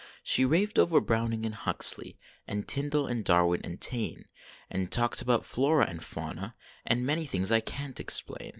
She raved over Browning and Huxley, And Tyndal, and Darwin, and Taine ; And talked about Flora and Fauna, And many things I can t explain.